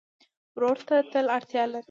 ورور ته تل اړتیا لرې.